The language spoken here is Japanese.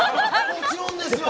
もちろんですよ。